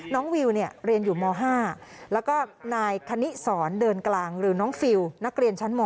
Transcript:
วิวเรียนอยู่ม๕แล้วก็นายคณิสรเดินกลางหรือน้องฟิลนักเรียนชั้นม